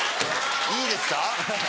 いいですか？